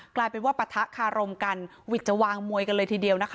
กลายเป็นว่าปะทะคารมกันวิทย์จะวางมวยกันเลยทีเดียวนะคะ